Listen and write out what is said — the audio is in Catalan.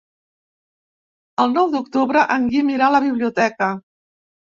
El nou d'octubre en Guim irà a la biblioteca.